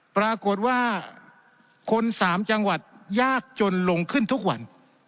ปรากฏว่าคนสามจังหวัดยากจนลงขึ้นทุกวัน